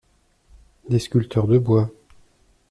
Des sculpteurs de bois.